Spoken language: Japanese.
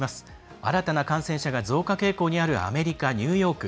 新たな感染者が増加傾向にあるアメリカ・ニューヨーク。